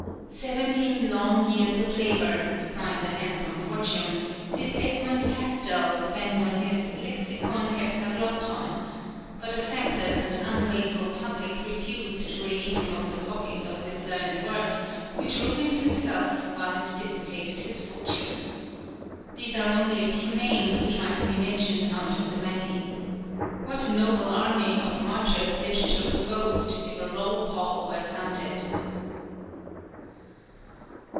Seventeen long years of labour, besides a handsome fortune, did Edmund Castell spend on his Lexicon Heptaglotton; but a thankless and ungrateful public refused to relieve him of the copies of this learned work, which ruined his health while it dissipated his fortune. These are only a few names which might be mentioned out of the many. What a noble army of martyrs Literature could boast, if a roll call were sounded!